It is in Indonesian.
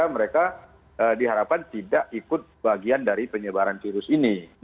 mereka diharapkan tidak ikut bagian dari penyebaran virus ini